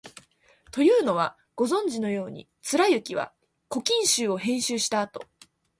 というのは、ご存じのように、貫之は「古今集」を編集したあと、